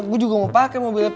gue juga mau pake mobilnya papa